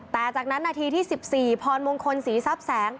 แต่จากนั้นนาทีที่๑๔พรมงคลศรีทรัพย์แสง